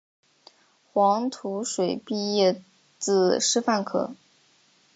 黄土水毕业自师范科